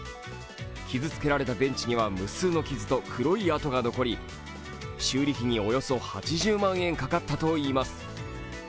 傷つけられたベンチには無数の傷と黒い跡が残り修理費におよそ８０万円かかたっといいます。